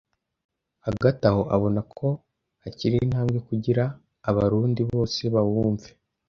Hagati aho, abona ko hakiri intambwe kugira Abarundi bose bawumve.